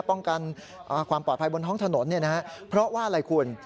ป้องกันความปลอดภัยบนท้องถนนเพราะว่าอะไรคุณ